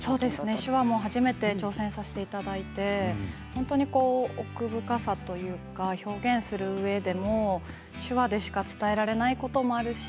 手話も初めて挑戦させていただいて本当に奥深さというか表現するうえでも手話でしか伝えられないこともあるし